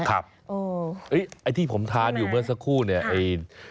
ไอ้ที่ผมทานอยู่เมื่อสักครู่เนี่ยไอ้